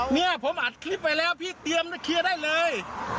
เนี่ยผมอัดคลิปไว้แล้วพี่เตรียมเคลียร์ได้เลย